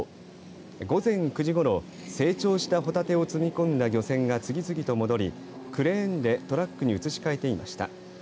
午前９時ごろ成長したホタテを積み込んだ漁船が次々と戻りクレーンでトラックに移し替えていました。